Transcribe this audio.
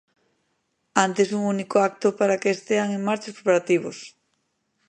Antes un único acto para que estean en marcha os preparativos.